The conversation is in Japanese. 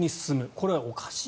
これはおかしい。